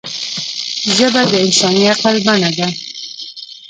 ژبه د انساني عقل بڼه ده